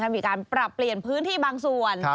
มีการปรับเปลี่ยนพื้นที่บางส่วน